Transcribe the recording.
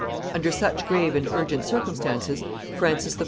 ] Under such grave and urgent circumstances, Francis I.